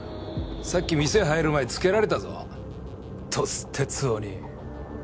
さっき店入る前つけられたぞ鳥栖哲雄に。